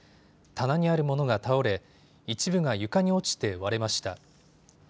棚にある物が倒れ一部が床に落ちて割れました。